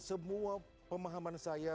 semua pemahaman saya